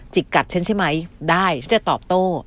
กัดฉันใช่ไหมได้ฉันจะตอบโต้